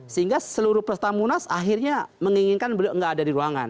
sehingga seluruh peserta munas akhirnya menginginkan beliau tidak ada di ruangan